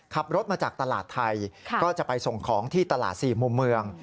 ขับรถมาจากตลาดไทยก็จะไปส่งของที่ตลาด๔มุมเมือง